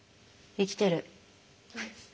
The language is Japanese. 生きてる。